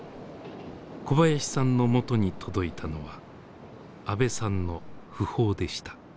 小林さんのもとに届いたのは阿部さんの訃報でした。